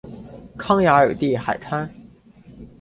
康雅尔蒂海滩。